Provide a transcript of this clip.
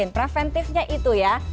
preventifnya itu ya